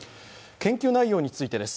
研究内容についてです。